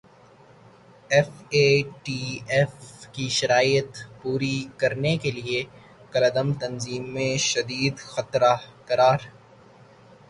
F A T F کی شرائط پوری کرنے کیلئے کالعدم تنظیمیںشدید خطرہ قرار